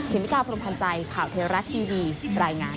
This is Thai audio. เขียนพิการพรุ่งพันธ์ใจข่าวเทราและทีวีรายงาน